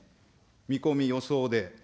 見込み、予想で。